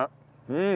うん！